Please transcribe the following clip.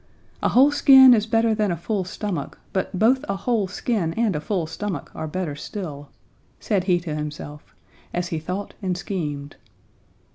'A whole skin is better than a full stomach, but both a whole skin and a full stomach are better still,' said he to himself; as he thought and schemed.